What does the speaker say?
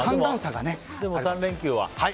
でも３連休は？